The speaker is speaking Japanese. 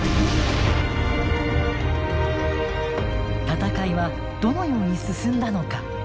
戦いはどのように進んだのか。